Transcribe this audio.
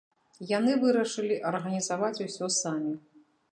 Яны вырашылі арганізаваць усё самі.